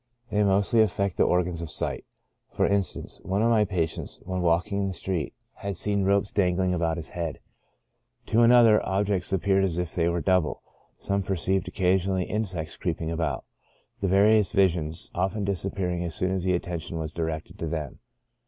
They mostly affect the organs of sight. For instance, one of my patients, when walking in the street, had seen ropes 28 CHRONIC ALCOHOLISM. dangling about his head ; to another, objects appeared as if they were double ; some perceived occasionally insects creep ing about ; the various visions often disappearing as soon as the attention was directed to them.